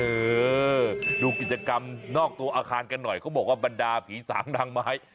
เออดูกิจกรรมนอกตัวอาคารกันหน่อยเขาบอกว่าบรรดาผีสางนางไม้